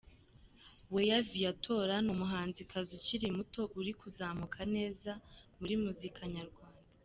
Weya Viatora ni umuhanzikazi ukiri muto uri kuzamuka neza muri muzika nyarwanda.